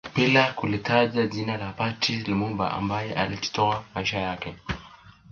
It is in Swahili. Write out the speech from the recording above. Bila kulitaja jina la Patrice Lumumba ambaye alijitoa maisha yake